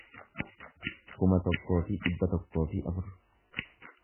kuma tokkoo fi dhibba tokkoo fi afur